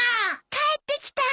帰ってきた。